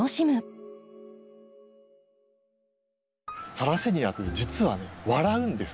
サラセニアって実はね笑うんです。